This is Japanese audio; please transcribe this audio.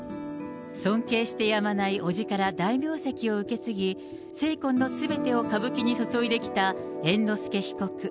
尊敬してやまない伯父から大名跡を受け継ぎ、精魂のすべてを歌舞伎に注いできた猿之助被告。